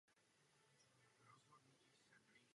Komise musí udělat více v otázce sociálního dumpingu.